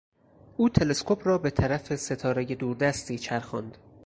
او تلسکوپ را به طرف ستارهی دوردستی چرخاند.